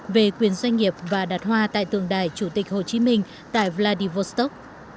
về quyền doanh nghiệp và đặt hoa tại tượng đài chủ tịch hồ chí minh tại vladivostok